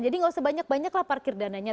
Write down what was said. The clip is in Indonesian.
jadi gak usah banyak banyak lah parkir dananya